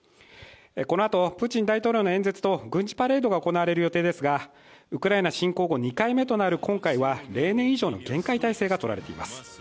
このあとプーチン大統領の演説と軍事パレードが行われる予定ですがウクライナ侵攻後２回目となる今回は例年以上の厳戒態勢がとられています。